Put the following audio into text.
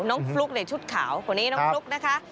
ฟลุ๊กในชุดขาวคนนี้น้องฟลุ๊กนะคะ